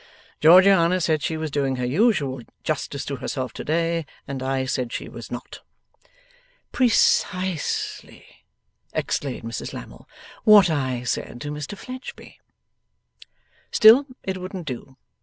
'Georgiana said she was doing her usual justice to herself to day, and I said she was not.' 'Precisely,' exclaimed Mrs Lammle, 'what I said to Mr Fledgeby.' Still, it wouldn't do.